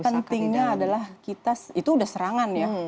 jadi pentingnya adalah kita itu udah serangan ya